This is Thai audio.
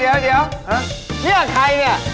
เฮ่ยเดี๋ยวเฮ้ย